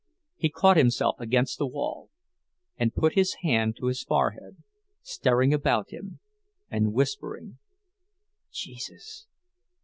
He caught himself against the wall, and put his hand to his forehead, staring about him, and whispering, "Jesus!